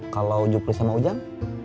kalau jupri sama ujang